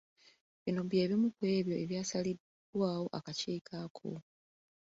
Bino bye bimu kw'ebyo ebyasalibwawo akakiiko ako.